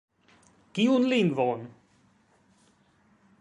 Kiun lingvon?